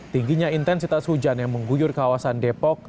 tingginya intensitas hujan yang mengguyur kawasan depok